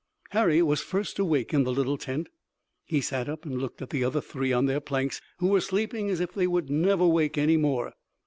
Harry was first awake in the little tent. He sat up and looked at the other three on their planks who were sleeping as if they would never wake any more.